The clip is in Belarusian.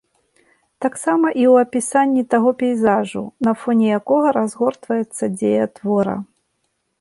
Таксама і ў апісанні таго пейзажу, на фоне якога разгортваецца дзея твора.